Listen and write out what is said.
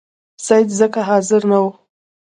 سید ځکه حاضر نه وو.